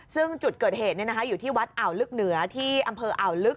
ซึ่งจุดเกิดเหตุเนี่ยนะคะอยู่ที่วัดอ่าวลึกเหนือ